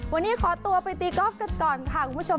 วันนี้ขอตัวไปตีก๊อฟกันก่อนค่ะคุณผู้ชม